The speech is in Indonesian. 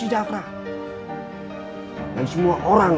ada apa ada teman albrecht